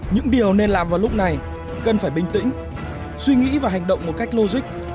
những điều nên làm vào lúc này cần phải bình tĩnh suy nghĩ và hành động một cách logic